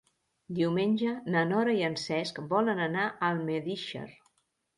Diumenge na Nora i en Cesc volen anar a Almedíxer.